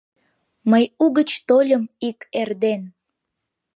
Мый угыч тольым ик эрден.